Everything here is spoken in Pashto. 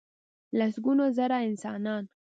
لسګونه زره انسانان .